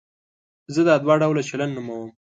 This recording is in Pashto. زه دا دوه ډوله چلند نوموم.